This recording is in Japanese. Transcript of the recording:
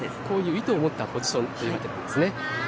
こういう意図を持ったポジションというわけなんですね。